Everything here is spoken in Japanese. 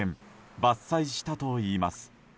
伐採したといいます。